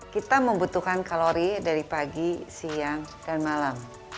kita membutuhkan kalori dari pagi siang dan malam